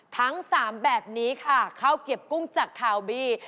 ทั้ง๓แบบนี้ค่ะข้าวเกียบกุ้งจากคาวบี